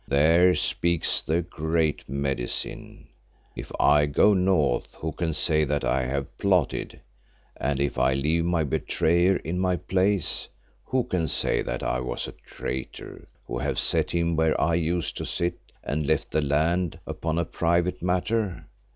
There speaks the Great Medicine. If I go north, who can say that I have plotted, and if I leave my betrayer in my place, who can say that I was a traitor, who have set him where I used to sit and left the land upon a private matter?